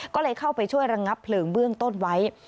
ก็เลยเข้าไปช่วยระงับเพลิงเบื้องต้นไว้